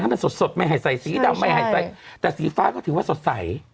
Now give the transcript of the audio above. มันสดสดไม่ให้ใส่สีดำไม่ให้ใส่แต่สีฟ้าก็ถือว่าสดใส